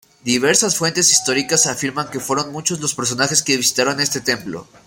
Diversas fuentes históricas afirman que fueron muchos los personajes que visitaron este templo.